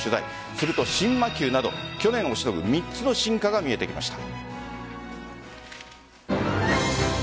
すると新魔球など去年をしのぐ３つの進化が見えてきました。